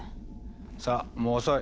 さあもう遅い。